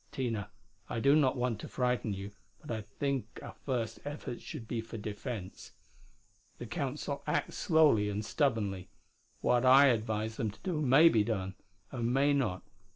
Tina, I do not want to frighten you, but I think our first efforts should be for defense. The Council acts slowly and stubbornly. What I advise them to do may be done, and may not.